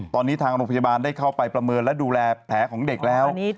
ตอนนี้ทางโรงพยาบาลได้เข้าไปประเมินและดูแลแผลของเด็กแล้ว